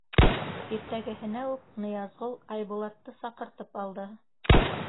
Иртәгеһенә үк Ныязғол Айбулатты саҡыртып алды.